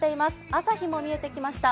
朝日も見えてきました。